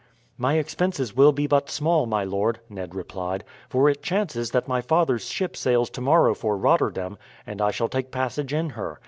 "My expenses will be but small, my lord," Ned replied; "for it chances that my father's ship sails tomorrow for Rotterdam, and I shall take passage in her.